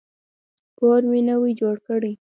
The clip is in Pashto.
کور مي نوی جوړ کی.